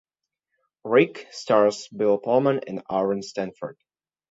"Rick" stars Bill Pullman and Aaron Stanford.